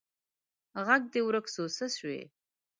ږغ دي ورک سو څه سوي